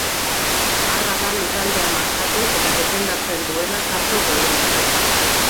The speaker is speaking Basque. Arra da lurraldea markatu eta defendatzen duena kasu gehienetan.